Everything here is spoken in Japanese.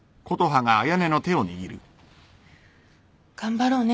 頑張ろうね。